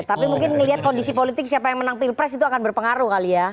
tapi mungkin melihat kondisi politik siapa yang menang pilpres itu akan berpengaruh kali ya